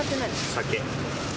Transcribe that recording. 酒。